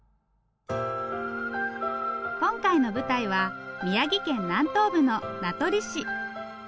今回の舞台は宮城県南東部の名取市。